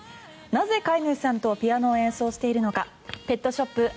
なぜ飼い主さんとピアノを演奏しているのかペットショップ